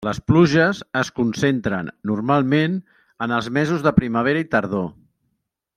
Les pluges es concentren, normalment, en els mesos de primavera i tardor.